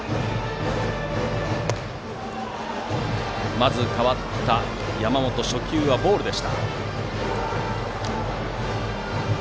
まず、代わった山本初球はボールから。